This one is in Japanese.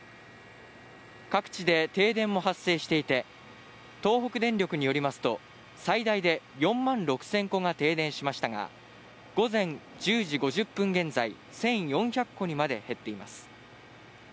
各地で停電も発生していて東北電力によりますと最大で４万６０００戸が停電しましたが、午前１０時５０分現在、１４００戸にまで減っています。